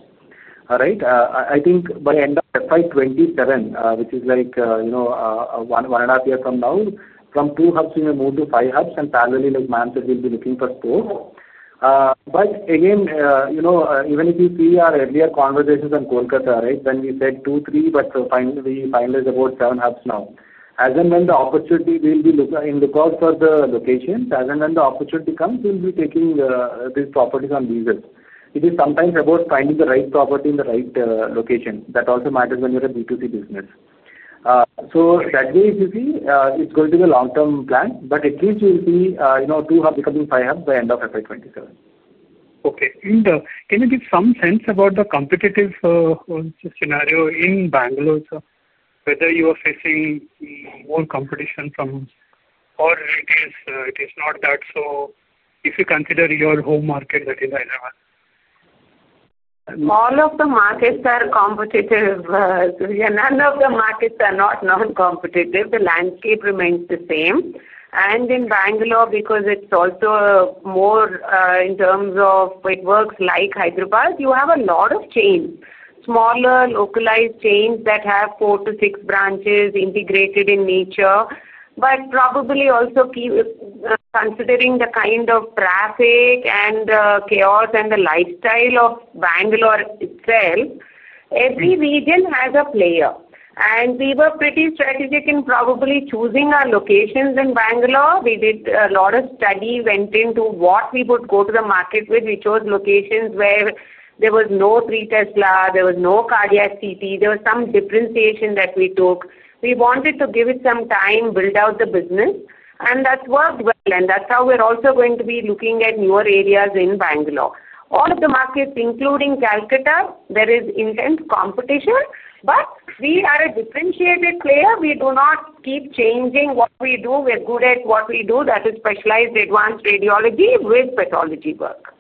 right? I think by end of FY2027, which is like one and a half years from now, from two hubs, we may move to five hubs. Parallelly, like Ma'am said, we will be looking for spokes. Again, even if you see our earlier conversations in Kolkata, when we said two, three, but we finalized about seven hubs now. As and when the opportunity arises, we will be on the lookout for the locations. As and when the opportunity comes, we will be taking these properties on leases. It is sometimes about finding the right property in the right location. That also matters when you are a B2C business. That way, if you see, it is going to be a long-term plan, but at least you will see two hubs becoming five hubs by end of FY2027. Okay. Can you give some sense about the competitive scenario in Bengaluru, whether you are facing more competition from there or it is not that so if you consider your home market, that is Hyderabad? All of the markets are competitive. None of the markets are not non-competitive. The landscape remains the same. In Bangalore, because it's also more in terms of it works like Hyderabad, you have a lot of chains, smaller localized chains that have four to six branches integrated in nature. Probably also, considering the kind of traffic and chaos and the lifestyle of Bangalore itself, every region has a player. We were pretty strategic in probably choosing our locations in Bangalore. We did a lot of study, went into what we would go to the market with. We chose locations where there was no three Tesla, there was no Cardiac CT. There was some differentiation that we took. We wanted to give it some time, build out the business. That worked well. That's how we're also going to be looking at newer areas in Bangalore. All of the markets, including Kolkata, there is intense competition. We are a differentiated player. We do not keep changing what we do. We're good at what we do. That is specialized advanced radiology with pathology work.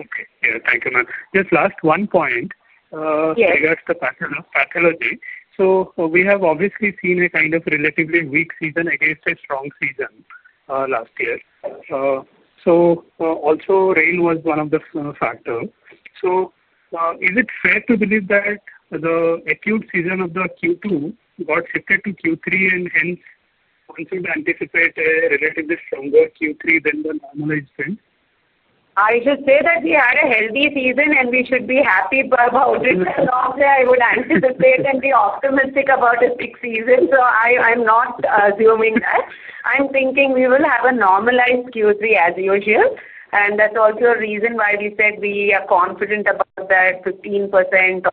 Okay. Yeah. Thank you, Ma'am. Just last one point. Regards to pathology. So we have obviously seen a kind of relatively weak season against a strong season last year. Also, rain was one of the factors. Is it fair to believe that the acute season of Q2 got shifted to Q3 and hence also anticipate a relatively stronger Q3 than the normalized spend? I should say that we had a healthy season, and we should be happy about it. As long as I would anticipate and be optimistic about a sick season. I'm not assuming that. I'm thinking we will have a normalized Q3 as usual. That's also a reason why we said we are confident about that 15%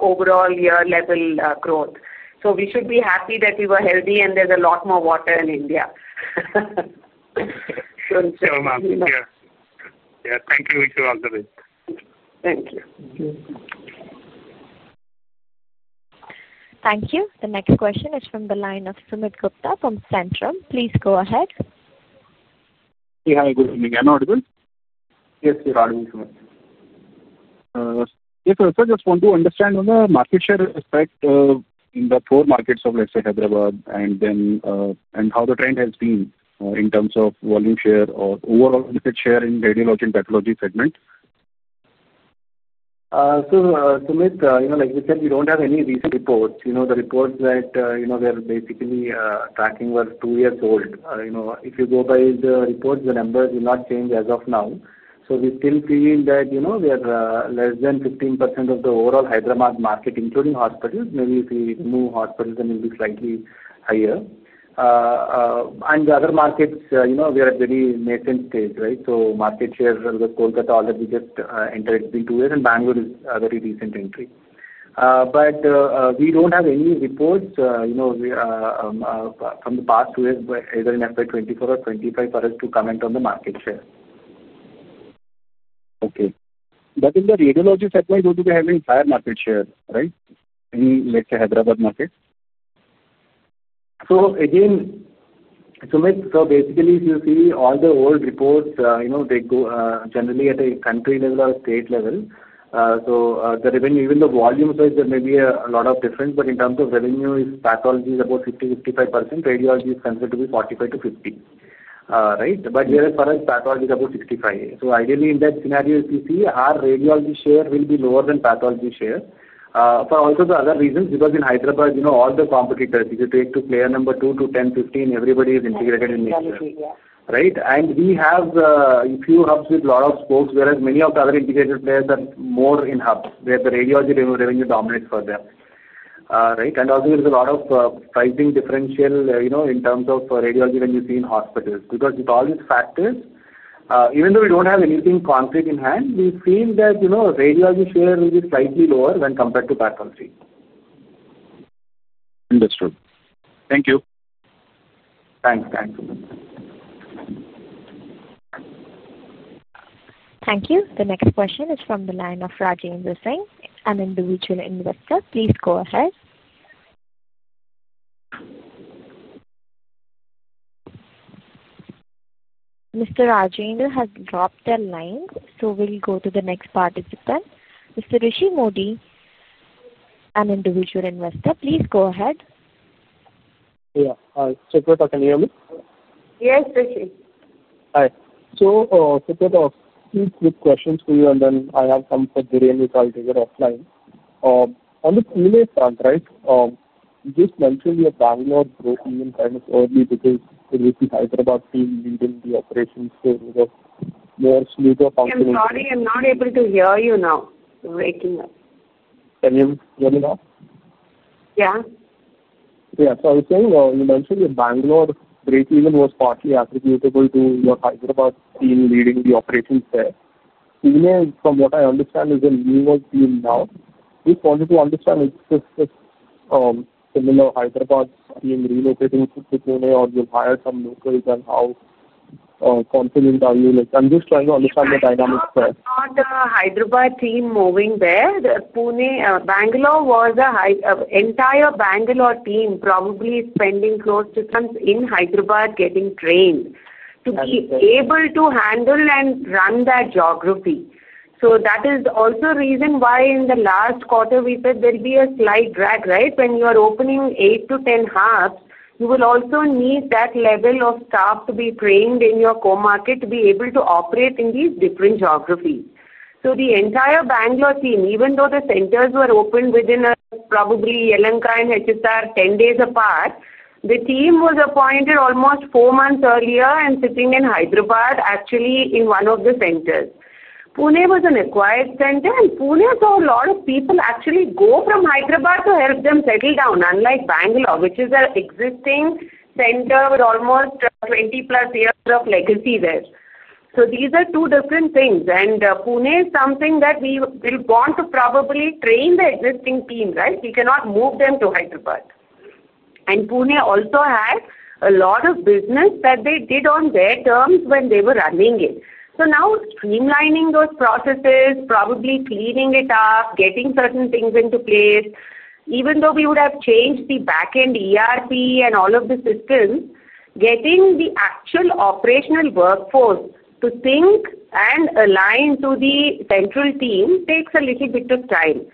overall year-level growth. We should be happy that we were healthy, and there's a lot more water in India. Thank you, Ma'am. Yeah. Thank you, Vijaya. Thank you. Thank you. The next question is from the line of Sumit Gupta from Centrum. Please go ahead. Yeah. Hi. Good evening. Am I audible? Yes, you're audible. Yes, sir. I just want to understand on the market share aspect in the four markets of, let's say, Hyderabad, and how the trend has been in terms of volume share or overall market share in radiology and pathology segment. Like we said, we do not have any recent reports. The reports that we are basically tracking were two years old. If you go by the reports, the numbers will not change as of now. We still feel that we are less than 15% of the overall Hyderabad market, including hospitals. Maybe if we remove hospitals, then it will be slightly higher. The other markets, we are at a very nascent stage, right? Market share with Kolkata, although we just entered, it has been two years, and Bengaluru is a very recent entry. We do not have any reports from the past two years, either in 2024 or 2025, for us to comment on the market share. Okay. In the radiology segment, don't you have any entire market share, right? In, let's say, Hyderabad market? Again, Sumit, basically, if you see all the old reports, they go generally at a country level or state level. The revenue, even the volume side, there may be a lot of difference. In terms of revenue, pathology is about 50-55%. Radiology is considered to be 45-50%, right? Here, for us, pathology is about 65%. Ideally, in that scenario, if you see, our radiology share will be lower than pathology share. For also the other reasons, because in Hyderabad, all the competitors, if you take player number 2 to 10, 15, everybody is integrated in nature, right? We have a few hubs with a lot of spokes, whereas many of the other integrated players are more in hubs where the radiology revenue dominates for them, right? Also, there is a lot of pricing differential in terms of radiology when you see in hospitals. With all these factors, even though we do not have anything concrete in hand, we feel that radiology share will be slightly lower when compared to pathology. That's true. Thank you. Thanks. Thanks. Thank you. The next question is from the line of Rajendra Singh, an individual investor. Please go ahead. Mr. Rajendra has dropped the line. We will go to the next participant. Mr. Rishi Modi, an individual investor. Please go ahead. Yeah. Suprita, can you hear me? Yes, Rishi. Hi. Secret, I'll ask you quick questions for you, and then I have some for Vijaya, and we can take it offline. On the Pune front, right. Just mentioned your Bengaluru break-even kind of early because it will be Hyderabad team leading the operations for more smoother functioning. I'm sorry. I'm not able to hear you now. I'm waking up. Can you hear me now? Yeah. Yeah. I was saying you mentioned your Bengaluru break-even was partly attributable to your Hyderabad team leading the operations there. Pune, from what I understand, is a newer team now. Just wanted to understand if it's just a similar Hyderabad team relocating to Pune or you've hired some locals, and how confident are you? I'm just trying to understand the dynamics there. It's not the Hyderabad team moving there. Bengaluru was an entire Bengaluru team probably spending close to months in Hyderabad getting trained to be able to handle and run that geography. That is also a reason why in the last quarter, we said there'd be a slight drag, right? When you are opening 8-10 hubs, you will also need that level of staff to be trained in your core market to be able to operate in these different geographies. The entire Bengaluru team, even though the centers were opened within probably Yelahanka and HSR 10 days apart, the team was appointed almost four months earlier and sitting in Hyderabad, actually in one of the centers. Pune was an acquired center, and Pune saw a lot of people actually go from Hyderabad to help them settle down, unlike Bengaluru, which is an existing center with almost 20-plus years of legacy there. These are two different things. Pune is something that we will want to probably train the existing team, right? We cannot move them to Hyderabad. Pune also had a lot of business that they did on their terms when they were running it. Now streamlining those processes, probably cleaning it up, getting certain things into place, even though we would have changed the back-end ERP and all of the systems, getting the actual operational workforce to think and align to the central team takes a little bit of time.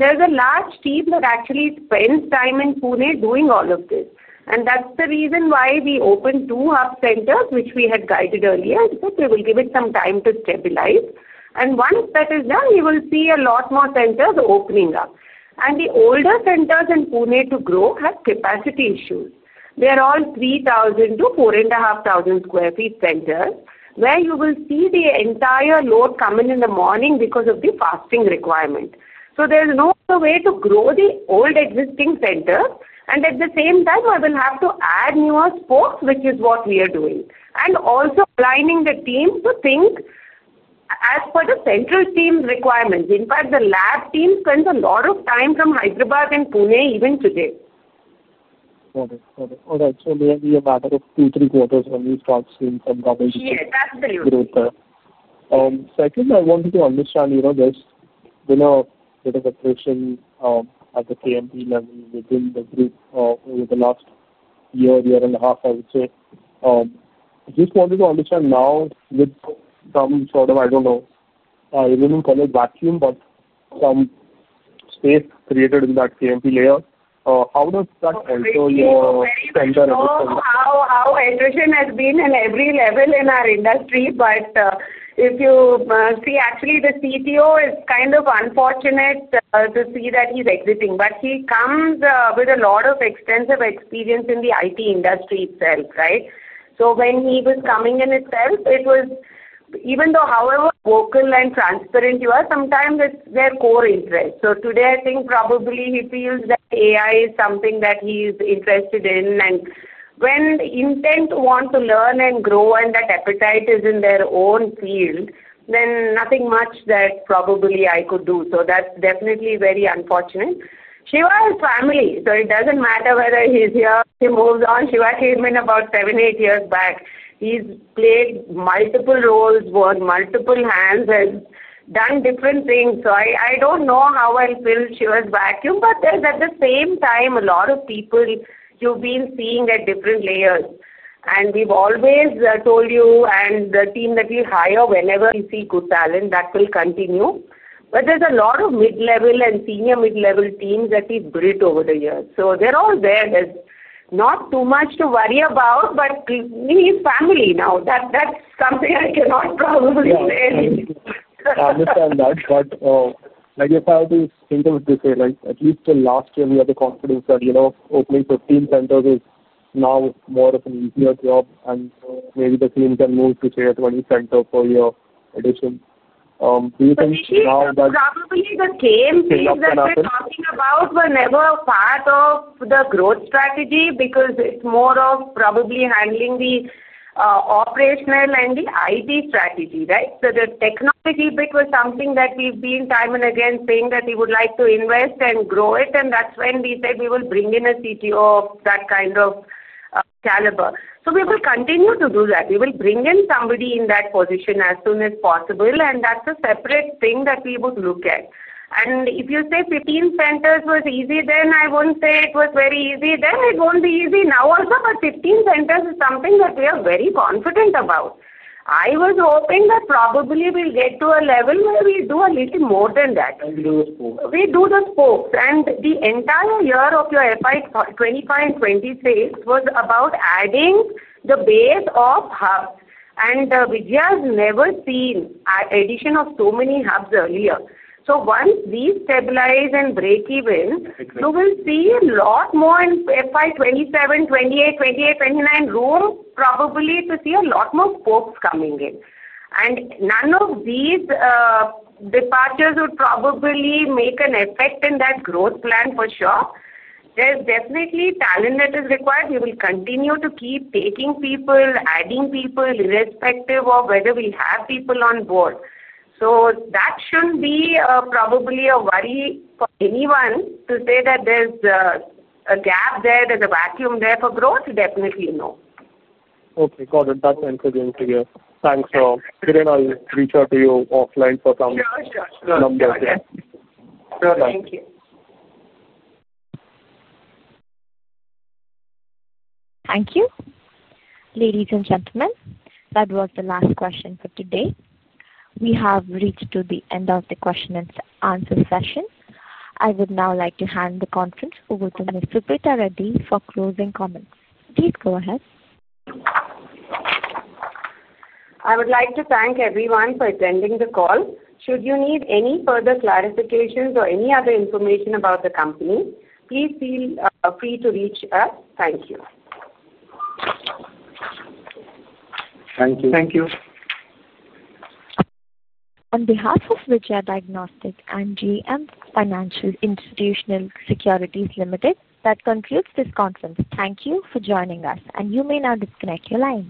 There is a large team that actually spends time in Pune doing all of this. That is the reason why we opened two hub centers, which we had guided earlier, that they will give it some time to stabilize. Once that is done, we will see a lot more centers opening up. The older centers in Pune to grow have capacity issues. They are all 3,000-4,500 sq ft centers where you will see the entire load come in in the morning because of the fasting requirement. There is no other way to grow the old existing centers. At the same time, I will have to add newer spokes, which is what we are doing. Also aligning the team to think as per the central team requirements. In fact, the lab team spends a lot of time from Hyderabad and Pune even today. Got it. Got it. All right. Maybe a matter of two, three quarters when we start seeing some double digit growth there. Yes. Absolutely. Second, I wanted to understand this. It's been a bit of a pressure at the KMP level within the group over the last year, year and a half, I would say. Just wanted to understand now with some sort of, I don't know, I don't even call it vacuum, but some space created in that KMP layer. How does that alter your center? How attrition has been in every level in our industry. If you see, actually, the CTO is kind of unfortunate to see that he's exiting. He comes with a lot of extensive experience in the IT industry itself, right? When he was coming in itself, it was even though however vocal and transparent you are, sometimes it's their core interest. Today, I think probably he feels that AI is something that he's interested in. When intent wants to learn and grow and that appetite is in their own field, then nothing much that probably I could do. That's definitely very unfortunate. Shiva is family. It doesn't matter whether he's here. He moves on. Shiva came in about seven, eight years back. He's played multiple roles, worked multiple hands, has done different things. I don't know how I'll fill Shiva's vacuum. There's, at the same time, a lot of people you've been seeing at different layers. We've always told you and the team that we hire, whenever we see good talent, that will continue. There's a lot of mid-level and senior mid-level teams that we've built over the years. They're all there. There's not too much to worry about. He's family now. That's something I cannot probably say. I understand that. If I were to think of it this way, at least till last year, we had the confidence that opening 15 centers is now more of an easier job. Maybe the team can move to, say, a 20 center per year addition. Do you think now that? Probably the same things that we're talking about were never a part of the growth strategy because it's more of probably handling the operational and the IT strategy, right? The technology bit was something that we've been time and again saying that we would like to invest and grow it. That is when we said we will bring in a CTO of that kind of caliber. We will continue to do that. We will bring in somebody in that position as soon as possible. That is a separate thing that we would look at. If you say 15 centers was easy, then I won't say it was very easy. It won't be easy now also. Fifteen centers is something that we are very confident about. I was hoping that probably we'll get to a level where we do a little more than that. Do the spokes. We do the spokes. The entire year of your FY25 and 2026 was about adding the base of hubs. Vijaya has never seen an addition of so many hubs earlier. Once we stabilize and break even, you will see a lot more in FY27, 2028, 2028, 2029 room probably to see a lot more spokes coming in. None of these departures would probably make an effect in that growth plan for sure. There is definitely talent that is required. We will continue to keep taking people, adding people, irrespective of whether we have people on board. That should not be probably a worry for anyone to say that there is a gap there, there is a vacuum there for growth. Definitely no. Okay. Got it. That's interesting to hear. Thanks. Vijaya, I'll reach out to you offline for some. Sure. Sure. Numbers. Yeah. Sure. Thank you. Thank you. Ladies and gentlemen, that was the last question for today. We have reached the end of the question and answer session. I would now like to hand the conference over to Dr. Suprita Reddy for closing comments. Please go ahead. I would like to thank everyone for attending the call. Should you need any further clarifications or any other information about the company, please feel free to reach us. Thank you. Thank you. Thank you. On behalf of Vijaya Diagnostic and JM Financial Institutional Securities Limited, that concludes this conference. Thank you for joining us. You may now disconnect your line.